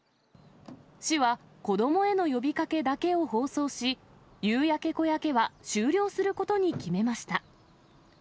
市は子どもへの呼びかけだけを放送し、夕焼け小焼けは終了することに決めました。